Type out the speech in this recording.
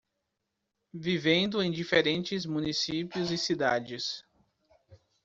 Vivendo em diferentes municípios e cidades